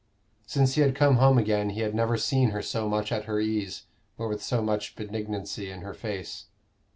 Since he had come home again he had never seen her so much at her ease, or with so much benignancy in her face.